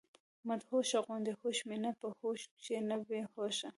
مدهوشه غوندي هوش مي نۀ پۀ هوش کښې نۀ بي هوشه